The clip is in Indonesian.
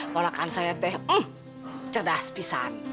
polakan saya teh cerdas pisang